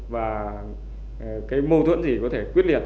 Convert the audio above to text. và cái mâu thuẫn gì có thể quyết liệt